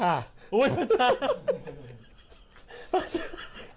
พระอาจารย์